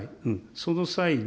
その際に、。